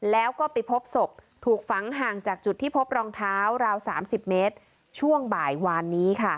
แล้วก็ไปพบศพถูกฝังห่างจากจุดที่พบรองเท้าราว๓๐เมตรช่วงบ่ายวานนี้ค่ะ